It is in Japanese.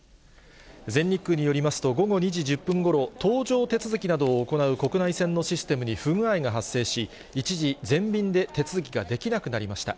全日空によりますと、午後２時１０分ごろ、搭乗手続きなどを行う国内線のシステムに不具合が発生し、一時全便で手続きができなくなりました。